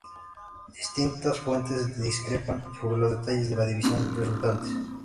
Distintas fuentes discrepan sobre los detalles de las divisiones resultantes.